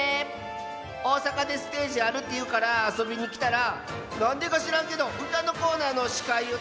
おおさかでステージあるっていうからあそびにきたらなんでかしらんけどうたのコーナーのしかいをたのまれてん。